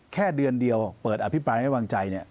แค่เดือนเดียวเปิดอภิปรายไว้วางใจ